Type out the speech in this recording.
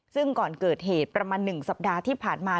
ซึ่งก่อนเกิดเหตุประมาณ๑สัปดาห์ที่ผ่านมา